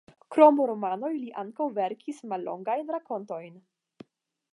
Krom romanoj li ankaŭ verkis mallongajn rakontojn.